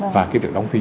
và cái việc đóng phí